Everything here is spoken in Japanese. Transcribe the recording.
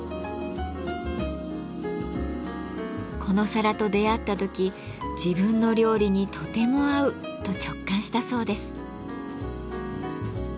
この皿と出会った時自分の料理にとても合うと直感したそうです。